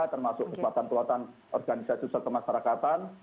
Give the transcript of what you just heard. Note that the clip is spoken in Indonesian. termasuk kekuatan kekuatan organisasi sosial kemasyarakatan